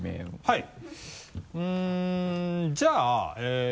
はい。